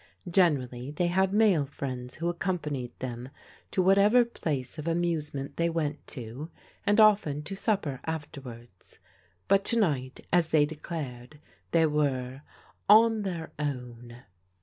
Generally they had male friends who ac companied them to whatever place of amusement they went to, and often to supper afterwards : but to night, as they declared, they were " on their own."